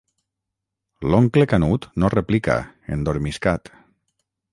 L'oncle Canut no replica, endormiscat.